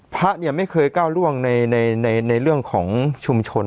พระไม่เคยก้าวร่วงในเรื่องของชุมชน